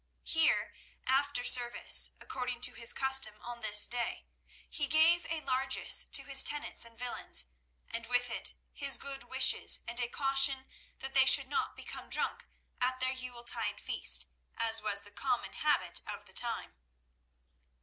Here, after service, according to his custom on this day, he gave a largesse to his tenants and villeins, and with it his good wishes and a caution that they should not become drunk at their Yuletide feast, as was the common habit of the time.